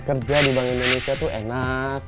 kerja di bank indonesia tuh enak